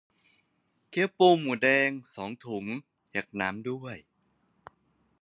เกี๊ยวปูหมูแดง สองถุง แยกน้ำด้วย